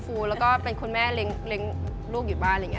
แล้วก็เป็นคุณแม่เลี้ยงลูกอยู่บ้านอะไรอย่างนี้